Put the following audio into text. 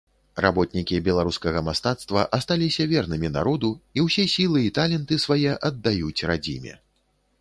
Работнікі беларускага мастацтва асталіся вернымі народу і ўсе сілы і таленты свае аддаюць радзіме.